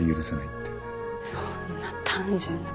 そんな単純な事で。